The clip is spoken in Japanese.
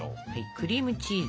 クリームチーズ。